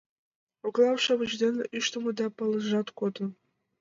Окнам шовыч дене ӱштмӧ да палыжат кодын.